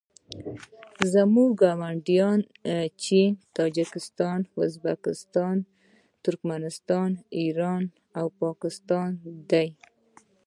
زما ګاونډیان چین تاجکستان ازبکستان ترکنستان ایران او پاکستان دي